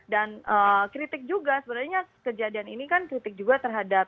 dan kritik juga sebenarnya kejadian ini kan kritik juga terhadap